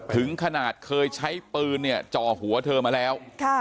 ถึงขนาดเคยใช้ปืนเนี่ยจ่อหัวเธอมาแล้ว